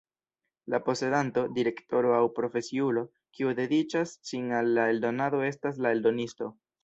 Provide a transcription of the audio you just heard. La posedanto, direktoro aŭ profesiulo, kiu dediĉas sin al la eldonado estas la eldonisto.